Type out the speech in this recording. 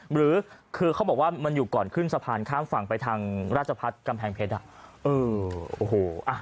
หรือคือเขาบอกว่ามันอยู่ก่อนขึ้นสะพานข้ามฝั่งไปทางราชพัฒน์กำแพงเพชร